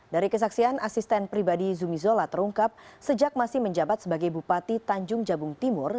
dari kesaksian asisten pribadi zumi zola terungkap sejak masih menjabat sebagai bupati tanjung jabung timur